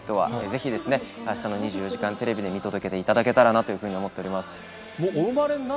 ぜひ、あしたの２４時間テレビで見届けていただけたらなと思います。